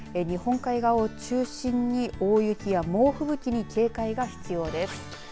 日本海側を中心に大雪や猛吹雪に警戒が必要です。